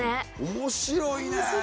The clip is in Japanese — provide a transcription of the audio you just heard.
面白いね。